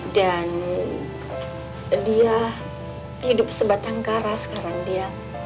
dan dia hidup sebatang kara sekarang dia